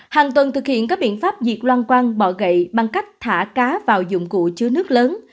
hàng tuần thực hiện các biện pháp diệt loan quăng bỏ gậy bằng cách thả cá vào dụng cụ chứa nước lớn